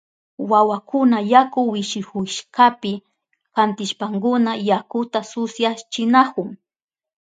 Wawakuna yaku wishihushkapi kantishpankuna yakuta susyachinahun.